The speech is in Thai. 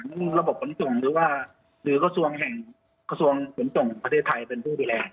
หรือกระทรวงเฉยกระทรวงประเทศไทยเป็นผู้ดูแล